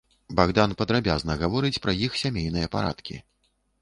Багдан падрабязна гаворыць пра іх сямейныя парадкі.